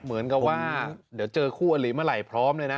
เหมือนกับว่าเดี๋ยวเจอคู่อลิเมื่อไหร่พร้อมเลยนะ